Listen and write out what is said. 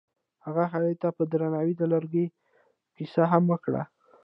هغه هغې ته په درناوي د لرګی کیسه هم وکړه.